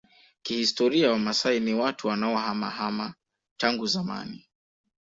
Kihistoria Wamaasai ni watu wanaohamahama tangu zamani